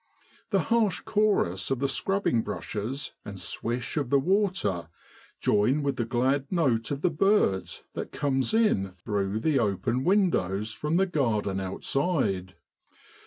The harsh chorus of the scrubbing brushes, and swish of the water, join with the glad note 4 of the birds that comes in through the open windows from the garden outside.